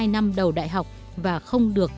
hai năm đầu đại học và không được